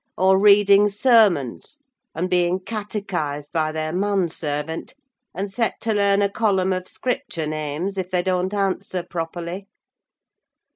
Or reading sermons, and being catechised by their man servant, and set to learn a column of Scripture names, if they don't answer properly?"